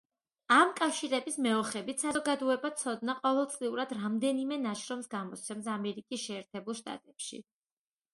ამ კავშირების მეოხებით „საზოგადოება ცოდნა“ ყოველწლიურად რამდენიმე ნაშრომს გამოსცემს ამერიკის შეერთებულ შტატებში.